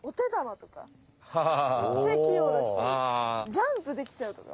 ジャンプできちゃうとか？